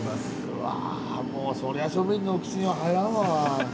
うわもうそりゃ庶民のお口には入らんわ。